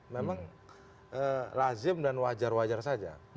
memang lazim dan wajar wajar saja